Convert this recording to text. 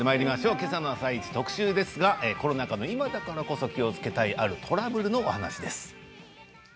きょうの特集はコロナ禍の今だからこそ気をつけたいあるトラブルの話です。